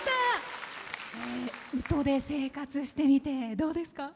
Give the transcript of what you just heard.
宇土で生活してみてどうですか？